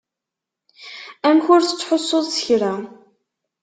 Amek ur tettḥussuḍ s kra?